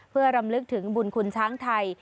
เพื่อรำลึกถึงบุญคุณช้างไทย